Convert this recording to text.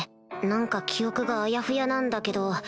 何か記憶があやふやなんだけど